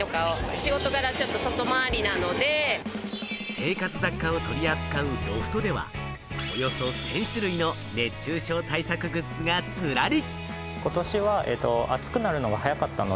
生活雑貨を取り扱うロフトでは、およそ１０００種類の熱中症対策グッズがズラリ。